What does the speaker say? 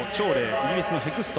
イギリスのヘクスト。